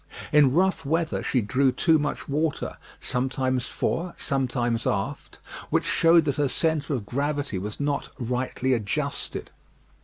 In rough weather she drew too much water, sometimes fore, sometimes aft, which showed that her centre of gravity was not rightly adjusted.